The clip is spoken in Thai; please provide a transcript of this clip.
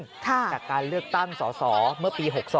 จากการเลือกตั้งสอสอเมื่อปี๖๒